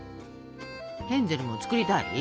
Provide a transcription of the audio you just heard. ヘンゼルも作りたい？